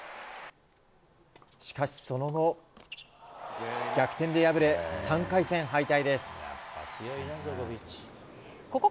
しかしその後、逆転で敗れ３回戦敗退です。